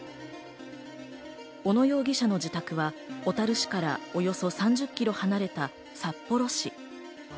小野容疑者の自宅は小樽市からおよそ３０キロ離れた札幌市。